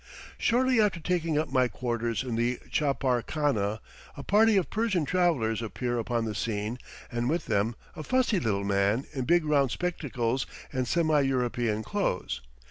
Shortly after taking up my quarters in the chapar khana, a party of Persian travellers appear upon the scene, and with them a fussy little man in big round spectacles and semi European clothes.